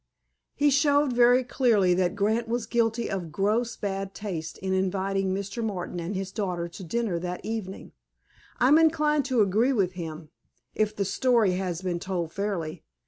"He showed very clearly that Grant was guilty of gross bad taste in inviting Mr. Martin and his daughter to dinner that evening. I'm inclined to agree with him, if the story has been told fairly.